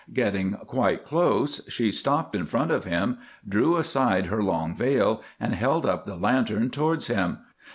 Getting quite close, she stopped in front of him, drew aside her long veil, and held up the lantern towards him.